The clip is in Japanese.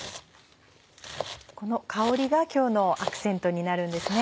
この香りが今日のアクセントになるんですね。